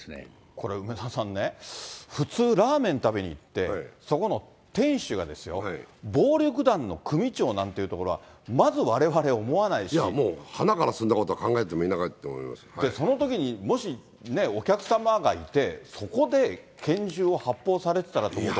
これ、梅沢さんね、普通、ラーメン食べに行って、そこの店主がですよ、暴力団の組長なんていうところは、まず、われわれ思わいやもう、はなからそんなこそのときにもし、お客様がいて、そこで拳銃を発砲されてたらと思うと。